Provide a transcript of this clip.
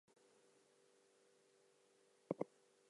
His father worked as an antiques dealer.